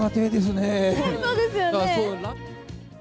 ねえ、そうですよね。